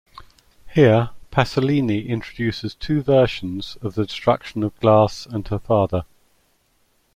Here Pasolini introduces two versions of the destruction of Glauce and her father.